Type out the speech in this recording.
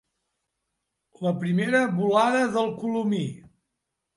La primera volada del colomí.